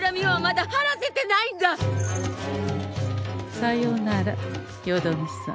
さようならよどみさん。